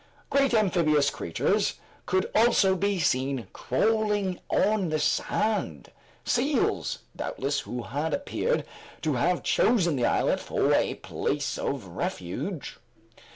Great amphibious creatures could also be seen crawling on the sand; seals, doubtless, who appeared to have chosen the islet for a place of refuge.